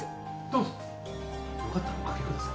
どうぞ。